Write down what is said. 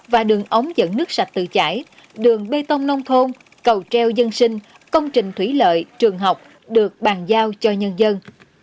và đường ống dẫn nước sạch tự giải đường bê tông nông thôn cầu treo dân sinh công trình thủy lợi trường học được bàn giao cho nhân dân